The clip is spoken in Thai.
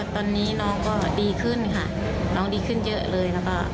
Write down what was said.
ตอนนี้น้องก็ดีขึ้นค่ะน้องดีขึ้นเยอะเลยแล้วก็